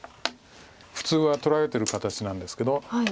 普通は取られてる形なんですけど。